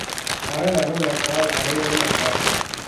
அரன் அருள் அற்றால் அனைவரும் அற்றார்.